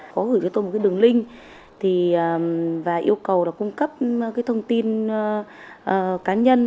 có gửi cho tôi một đường link và yêu cầu cung cấp thông tin cá nhân